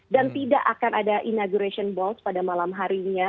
dan tidak akan ada inauguration box pada malam harinya